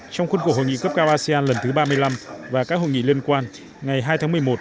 trong khuôn khổ hội nghị cấp cao asean lần thứ ba mươi năm và các hội nghị liên quan ngày hai tháng một mươi một